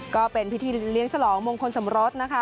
ก็เป็นพิธีเลี้ยงฉลองมงคลสมรสนะคะ